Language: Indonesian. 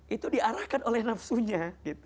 itu diarahkan oleh nafsunya